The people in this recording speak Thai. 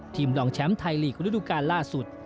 รองแชมป์ไทยลีกระดูกาลล่าสุด